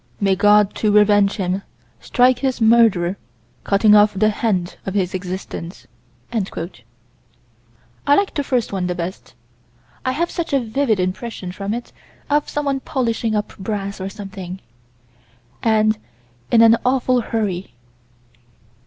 May God, to revenge him, strike his murderer, cutting off the hand of his existence." I like the first one best. I have such a vivid impression from it of someone polishing up brass or something, and in an awful hurry.